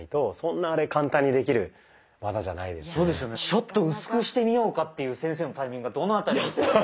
「ちょっと薄くしてみようか」っていう先生のタイミングがどの辺りだったのか。